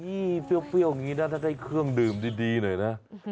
นี่เปรี้ยวอย่างนี้นะถ้าได้เครื่องดื่มดีหน่อยนะ